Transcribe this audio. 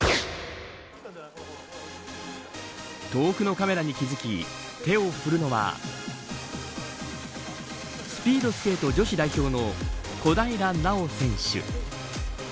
遠くのカメラに気付き手を振るのはスピードスケート女子代表の小平奈緒選手。